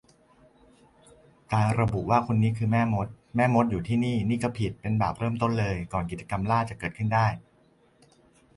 การระบุว่าคนนี้คือแม่มด แม่มดอยู่ที่นี่ นี่ก็ผิด เป็นบาปเริ่มต้นเลย ก่อนกิจกรรมล่าจะเกิดขึ้นได้